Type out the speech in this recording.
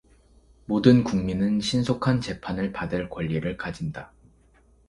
모든 국민은 신속한 재판을 받을 권리를 가진다.